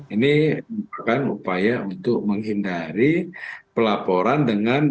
ini merupakan upaya untuk menghindari pelaporan dengan